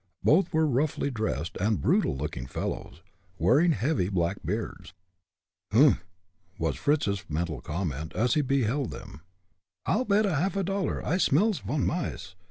Both were roughly dressed and brutal looking fellows, wearing heavy black beards. "Humph!" was Fritz's mental comment, as he beheld them. "I'll bet a half dollar I smells von mice.